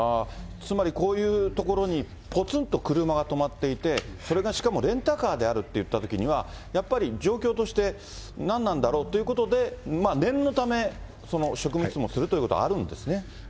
つまりこういう所にぽつんと車が止まっていて、それがしかもレンタカーであるっていったときには、やっぱり、状況として何なんだろうということで、念のため、職務質問するということはあるんですね。